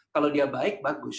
kalau dia baik bagus